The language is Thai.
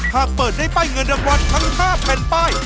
หากเปิดได้ป้ายเงินรางวัลทั้ง๕แผ่นป้าย